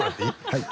はい。